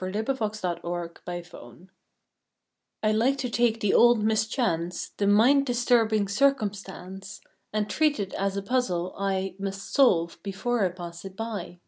November Twenty fourth PUZZLES T LIKE to take the old mischance, The mind disturbing circumstance, And treat it as a puzzle I Must solve before I pass it by.